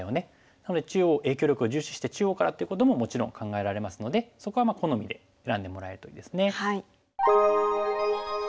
なので影響力を重視して中央からってことももちろん考えられますのでそこは好みで選んでもらえるといいですね。